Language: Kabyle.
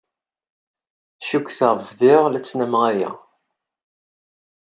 Cukkteɣ bdiɣ la ttnameɣ aya.